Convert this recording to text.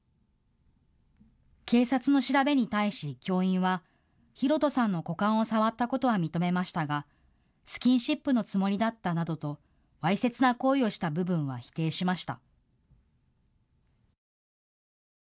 警察の調べに対し教員はヒロトさんの股間を触ったことは認めましたが、スキンシップのつもりだったなどとわいせつな行為をした部分は否定しました。